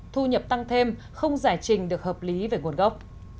thu nhập tăng thêm không giải trình được hợp lý về nguồn gốc